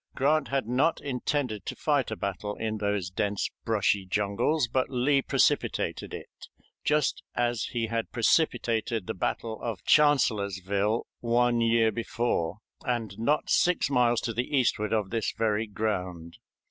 Grant had not intended to fight a battle in those dense, brushy jungles, but Lee precipitated it just as he had precipitated the battle of Chancellorsville one year before, and not six miles to the eastward of this very ground.